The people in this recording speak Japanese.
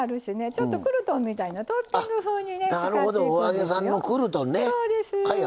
ちょっとクルトンみたいなトッピングふうにね使っていくんですよ。